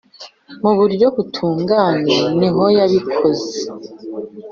Mu buryo butunganye nihoyabikoze.